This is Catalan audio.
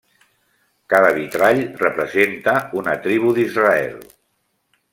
Cada vitrall representa una tribu d'Israel.